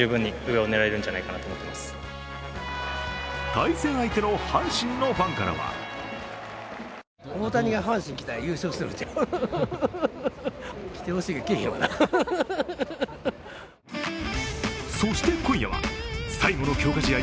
対戦相手の阪神のファンからはそして今夜は最後の強化試合